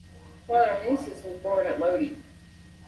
Quaresmius was born at Lodi.